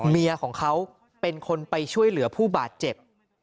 เมียของเขาเป็นคนไปช่วยเหลือผู้บาดเจ็บ